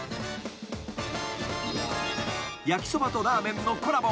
［焼きそばとラーメンのコラボ］